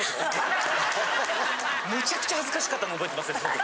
めちゃくちゃ恥ずかしかったの覚えてますね。